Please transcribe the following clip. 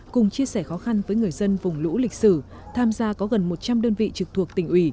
cùng chia sẻ khó khăn với người dân vùng lũ lịch sử tham gia có gần một trăm linh đơn vị trực thuộc tỉnh ủy